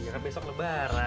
biar besok lebaran